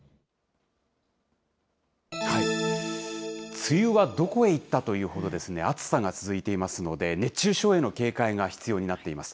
梅雨はどこへ行ったというほど暑さが続いていますので、熱中症への警戒が必要になっています。